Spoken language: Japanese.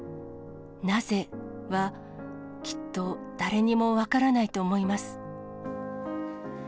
なぜは、きっと誰にも分からないと思います。